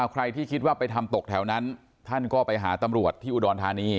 ใครที่คิดว่าไปทำตกแถวนั้นท่านก็ไปหาตำรวจที่อุดรธานี